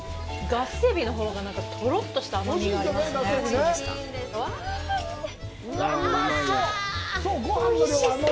ガスエビのほうがなんか、とろっとした甘みがありますね。